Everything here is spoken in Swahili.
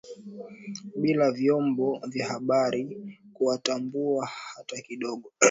Bila vyombo vya habari kuwatambua hata kidogo